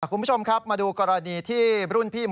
คุณผู้ชมครับมาดูกรณีที่รุ่นพี่